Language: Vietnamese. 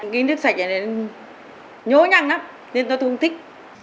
cái nước sạch này nhố nhăn lắm nên tôi không thích